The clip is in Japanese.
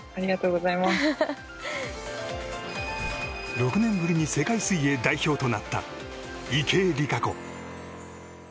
６年ぶりに世界水泳代表となった池江璃花子。